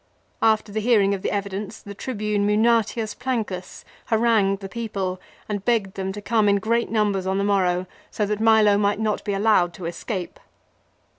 After the hearing of the evidence the Tribune Munatius Plancus harangued the people and begged them to come in great numbers on the morrow so that Milo might not be allowed to escape.